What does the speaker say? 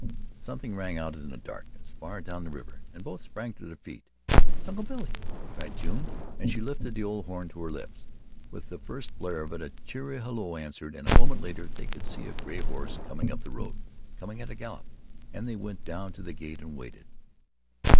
Something rang out in the darkness, far down the river, and both sprang to their feet. "It's Uncle Billy!" cried June, and she lifted the old horn to her lips. With the first blare of it, a cheery halloo answered, and a moment later they could see a gray horse coming up the road coming at a gallop, and they went down to the gate and waited.